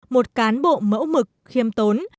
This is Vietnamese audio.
một cán bộ mẫu mực khiêm tốn